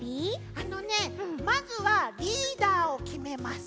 あのねまずはリーダーをきめます。